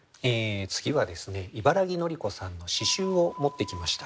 次は茨木のり子さんの詩集を持ってきました。